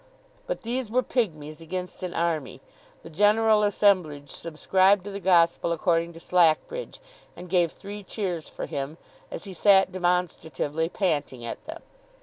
But these were pigmies against an army; the general assemblage subscribed to the gospel according to Slackbridge, and gave three cheers for him, as he sat demonstratively panting at them.